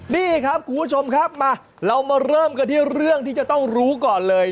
นี่ครับคุณผู้ชมครับมาเรามาเริ่มกันที่เรื่องที่จะต้องรู้ก่อนเลย